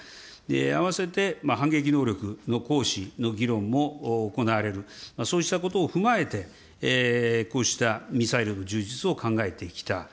あわせて反撃能力の行使の議論も行われる、そうしたことを踏まえて、こうしたミサイルの充実を考えてきた。